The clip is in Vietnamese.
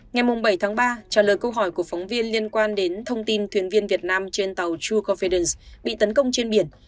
ngày bảy tháng ba trả lời câu hỏi của phóng viên liên quan đến thông tin thuyền viên việt nam trên tàu true confidence bị tấn công trên biển